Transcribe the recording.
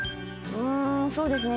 うーんそうですね。